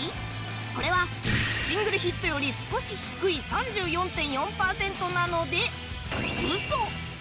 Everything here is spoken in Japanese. これはシングルヒットより少し低い３４．４％なのでウソ。